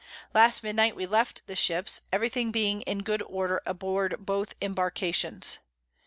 Last Midnight we left the Ships, every thing being in good order aboard both Imbarkations.